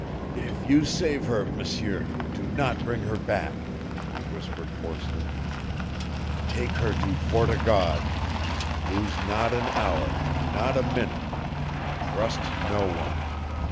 "If you save her, M'sieur, do not bring her back," he whispered, hoarsely. "Take her to Fort o' God. Lose not an hour not a minute. Trust no one.